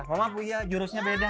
mohon maaf bu ya jurusnya beda